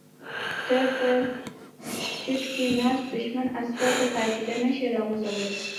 ته په جیټ کې ناست دښمن عسکر په عقیده نشې راغورځولی.